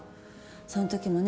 その時もね